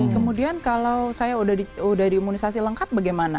kemudian kalau saya udah di imunisasi lengkap bagaimana